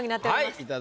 はい。